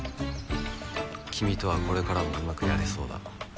君とはこれからもうまくやれそうだ。